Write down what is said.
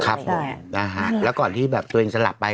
ครับผมนะฮะแล้วก่อนที่แบบตัวเองจะหลับไป